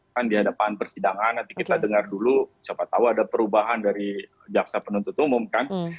kan di hadapan persidangan nanti kita dengar dulu siapa tahu ada perubahan dari jaksa penuntut umum kan